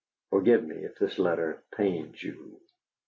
Forgive me if this letter pains you.